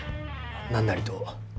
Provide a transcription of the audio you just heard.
何なりと。